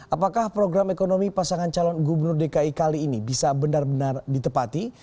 apakah program ekonomi pasangan calon gubernur dki kali ini bisa benar benar ditepati